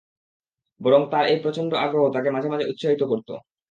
বরং তাঁর এই প্রচণ্ড আগ্রহ তাঁকে মাঝে মাঝে উৎসাহিত করত।